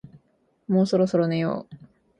もうそろそろ寝よう